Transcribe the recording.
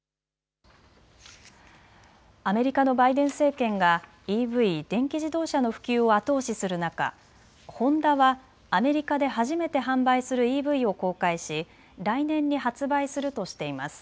アメリカのバイデン政権がＥＶ・電気自動車の普及を後押しする中、ホンダはアメリカで初めて販売するＥＶを公開し来年に発売するとしています。